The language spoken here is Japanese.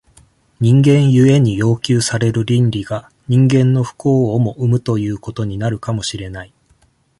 人間故に要求される倫理が、人間の不幸をも生むということになるかもしれない。